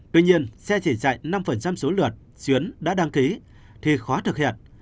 tuy nhiên xe chỉ chạy năm số lượt chuyến đã đăng ký thì khó thực hiện